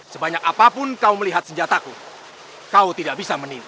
sebanyak apapun kau melihat senjataku kau tidak bisa menilai